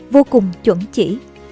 vô cùng chuẩn chỉ